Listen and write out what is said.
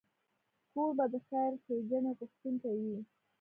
کوربه د خیر ښیګڼې غوښتونکی وي.